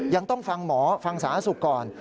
ยังต้องฟังหมอฟังสาธารณสุขก่อน